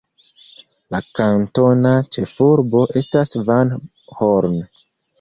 La kantona ĉefurbo estas Van Horn.